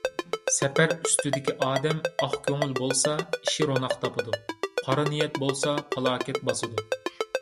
سەپەر ئۈستىدىكى ئادەم ئاق كۆڭۈل بولسا ئىشى روناق تاپىدۇ، قارا نىيەت بولسا پالاكەت باسىدۇ.